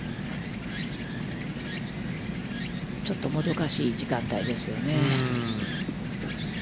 ちょっと、もどかしい時間帯ですよね。